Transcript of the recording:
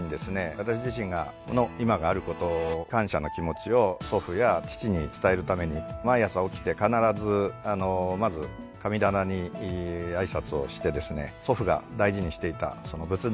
私自身がこの今があることを感謝の気持ちを祖父や父に伝えるために毎朝起きて必ずまず神棚に挨拶をしてですね祖父が大事にしていた仏壇にお線香を上げながらですね